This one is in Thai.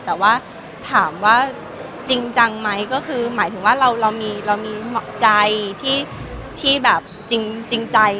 แต่ว่าถามว่าจริงจังไหมก็คือหมายถึงว่าเรามีเหมาะใจที่แบบจริงใจ